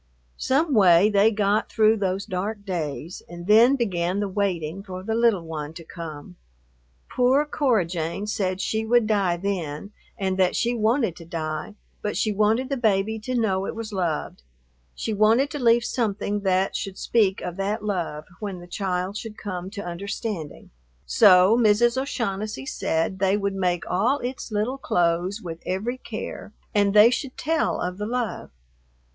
Some way they got through those dark days, and then began the waiting for the little one to come. Poor Cora Jane said she would die then, and that she wanted to die, but she wanted the baby to know it was loved, she wanted to leave something that should speak of that love when the child should come to understanding. So Mrs. O'Shaughnessy said they would make all its little clothes with every care, and they should tell of the love.